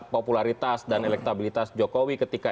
popularitas dan elektabilitas jokowi ketika